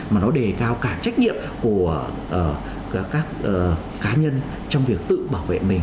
mà nó đề cao cả trách nhiệm của các cá nhân trong việc tự bảo vệ mình